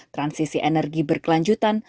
transisi energi berkelanjutan